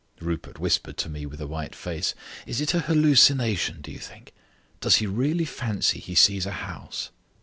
Rupert whispered to me with a white face: "Is it a hallucination, do you think? Does he really fancy he sees a house?"